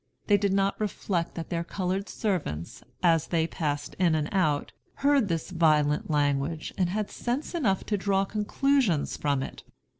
They did not reflect that their colored servants, as they passed in and out, heard this violent language and had sense enough to draw conclusions from it.